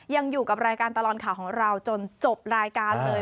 ยังอยู่กับรายการตลอดข่าวของเราจนจบรายการเลย